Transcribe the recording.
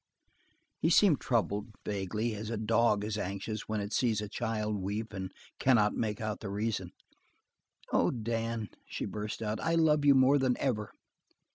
He seemed troubled, vaguely, as a dog is anxious when it sees a child weep and cannot make out the reason. "Oh, Dan," she burst out, "I love you more than ever!